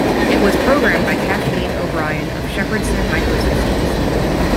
It was programmed by Kathleen O'Brien of Shepardson Microsystems.